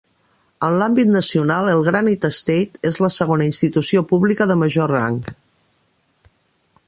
En l'àmbit nacional, el Granite State és la segona institució pública de major rang.